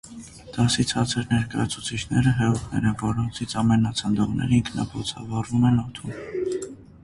Դասի ցածր ներկայացուցիչները հեղուկներ են, որոնցից ամենացնդողները ինքնաբոցավառվում են օդում։